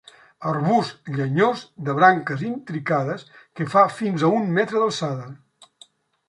Arbust llenyós de branques intricades que fa fins a un metre d'alçada.